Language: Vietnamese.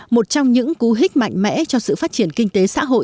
một trong những cú hích mạnh mẽ cho sự phát triển kinh tế xã hội